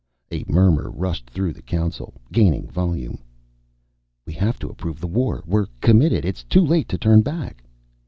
A murmur rushed through the Council, gaining volume. "We have to approve the war!... We're committed!... It's too late to turn back!"